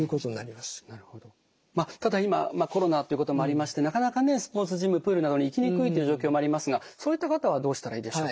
ただ今コロナということもありましてなかなかねスポーツジムプールなどに行きにくいという状況もありますがそういった方はどうしたらいいでしょう？